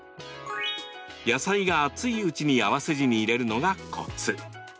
野菜が熱いうちに合わせ地に入れるのがコツ。